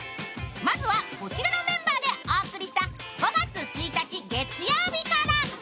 まずはこちらのメンバーでお送りした５月１日月曜日から。